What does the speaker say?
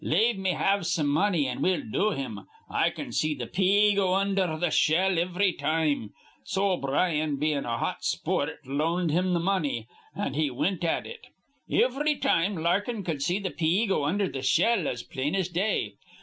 Lave me have some money, an' we'll do him. I can see th' pea go undher th' shell ivry time.' So O'Brien bein' a hot spoort loaned him th' money, an' he wint at it. Ivry time Larkin cud see th' pea go undher th' shell as plain as day.